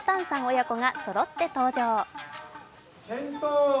親子がそろって登場。